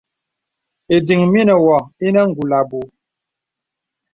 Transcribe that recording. Ìdiŋ mə̀ nə̀ wɔ̄ ònə kùl abùù.